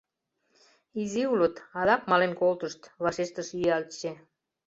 — Изи улыт, адак мален колтышт, — вашештыш Ӱялче.